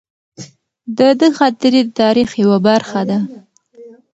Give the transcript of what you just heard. د ده خاطرې د تاریخ یوه برخه ده.